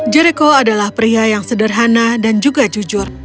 jericko adalah pria yang sederhana dan juga jujur